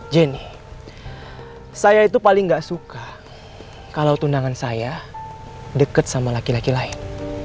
jenny saya itu paling gak suka kalau tunangan saya dekat sama laki laki lain